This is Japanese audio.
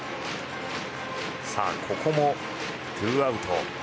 ここもツーアウト。